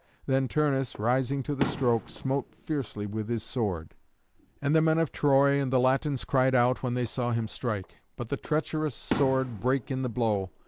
Then Turnus, rising to the stroke, smote fiercely with his sword. And the men of Troy and the Latins cried out when they saw him strike. But the treacherous sword brake in the blow.